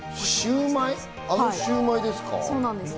あのシウマイですか？